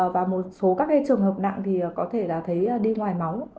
và một số các trường hợp nặng thì có thể là thấy đi ngoài máu